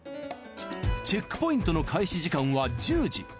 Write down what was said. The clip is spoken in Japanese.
チェックポイントの開始時間は１０時。